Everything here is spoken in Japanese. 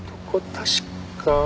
確か。